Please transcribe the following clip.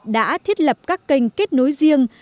đã thiết lập các kênh kết nối riêng